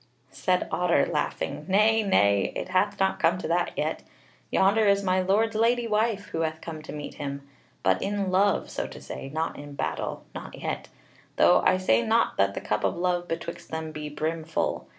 Said Otter, laughing: "Nay, nay, it hath not come to that yet. Yonder is my Lord's lady wife, who hath come to meet him, but in love, so to say, not in battle not yet. Though I say not that the cup of love betwixt them be brim full.